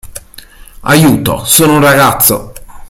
Aiuto, sono un ragazzo...!